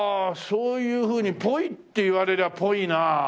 そういうふうにぽいって言われりゃぽいな。